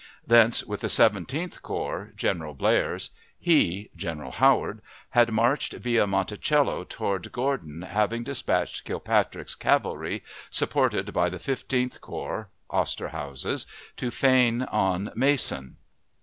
Thence, with the Seventeenth Corps (General Blair's) he (General Howard) had marched via Monticello toward Gordon, having dispatched Kilpatrick's cavalry, supported by the Fifteenth Corps (Osterhaus's), to feign on Mason.